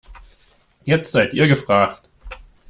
Jetzt seid ihr gefragt.